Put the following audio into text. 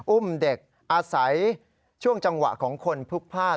อุ้มเด็กอาศัยช่วงจังหวะของคนพลุกพลาด